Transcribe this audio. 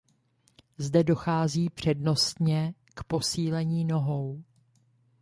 Zde dochází přednostně k posílení nohou.